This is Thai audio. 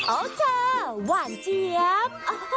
เจอหวานเจี๊ยบ